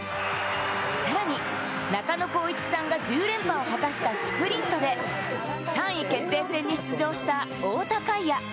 さらに中野浩一さんが１０連覇を果たしたスプリントで、３位決定戦に出場した太田海也。